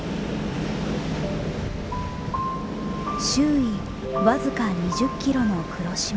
周囲僅か２０キロの黒島。